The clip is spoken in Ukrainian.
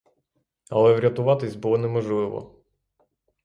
Але врятуватись було неможливо.